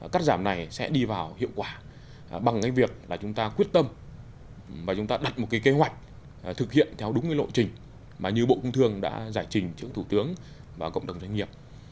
cắt giảm này sẽ đi vào hiệu quả bằng cái việc là chúng ta quyết tâm và chúng ta đặt một cái kế hoạch thực hiện theo đúng cái lộ trình mà như bộ công thương đã giải trình trước thủ tướng và cộng đồng doanh nghiệp